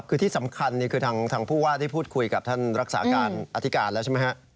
คือที่สำคัญคือทางผู้ว่าได้พูดคุยกับท่านรักษาการอธิการแล้วใช่ไหมฮะ